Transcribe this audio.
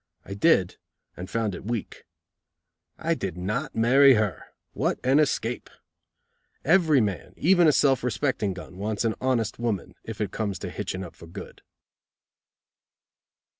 I did, and found it weak. I did not marry her! What an escape! Every man, even a self respecting gun, wants an honest woman, if it comes to hitching up for good.